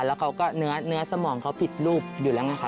แล้วเขาก็เนื้อสมองเขาผิดรูปอยู่แล้วไงคะ